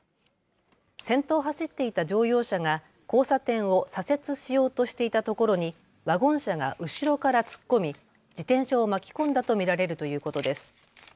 先頭を走っていた乗用車が交差点を左折しようとしていたところにワゴン車が後ろから突っ込み自転車を巻き込んだと見られるということです。